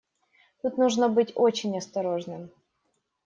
Тут нужно быть очень осторожным.